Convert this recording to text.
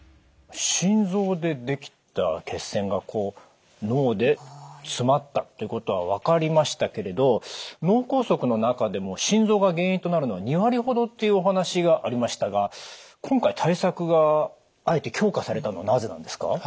心臓でできた血栓がこう脳で詰まったっていうことは分かりましたけれど脳梗塞の中でも心臓が原因となるのは２割ほどっていうお話がありましたが今回対策があえて強化されたのはなぜなんですか？